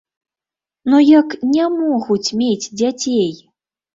Ну як не могуць мець дзяцей?